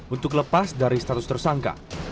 untuk lepas dari status tersangka